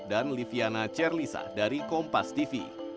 dan liviana cerlisa dari kompas tv